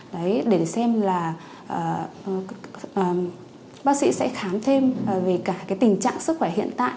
đấy để xem là bác sĩ sẽ khám thêm về cả cái tình trạng sức khỏe hiện tại